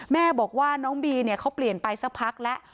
แม่บอกว่าน้องบีเนี่ยเขาเปลี่ยนไปสักพักแล้ว